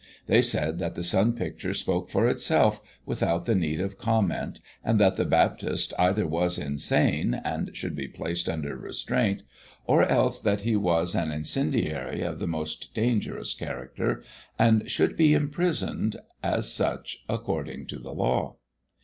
They said that the sun picture spoke for itself without the need of comment, and that the Baptist either was insane and should be placed under restraint, or else that he was an incendiary of the most dangerous character, and should be imprisoned as such according to the law.